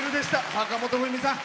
坂本冬美さん